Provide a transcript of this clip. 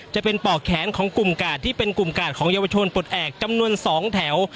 จะเป็นปอกแขนของกลุ่มกาดที่เป็นกลุ่มกาดของเยาวชนปลดแอบจำนวน๒แถว